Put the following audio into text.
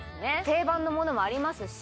定番のものもありますし